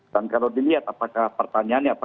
dan kalau dilihat apakah pertanyaannya apakah terjadi